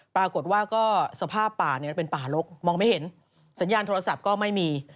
ปรากฏว่าก็สภาพป่าเนี่ยมันเป็นป่าลกมองไม่เห็นสัญญาณโทรศัพท์ก็ไม่มี